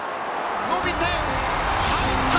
伸びて入った！